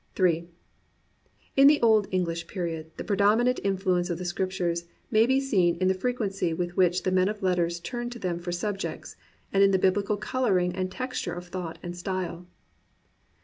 Ill In the Old English period, the predominant in fluence of the Scriptures may be seen in the fre quency with which the men of letters turned to them for subjects, and in the BibHcal colouring and texture of thought and style.